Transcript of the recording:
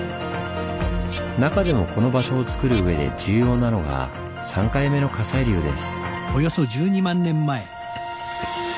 中でもこの場所をつくるうえで重要なのが３回目の火砕流です。